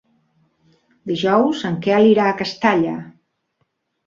Dijous en Quel irà a Castalla.